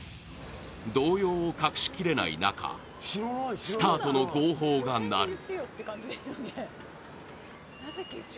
動揺を隠しきれない中スタートの号砲が鳴る。